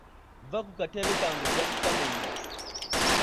Vva ku katebe kange ojja kukamenya.